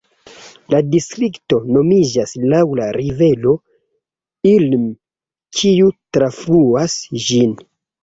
La distrikto nomiĝas laŭ la rivero Ilm, kiu trafluas ĝin.